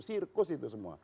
sirkus itu semua